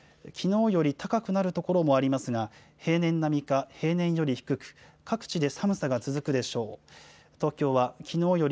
きのうより高くなる所もありますが、平年並みか平年より低く、各地で寒さが続くでしょう。